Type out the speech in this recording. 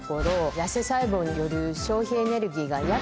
痩せ細胞による消費エネルギーが。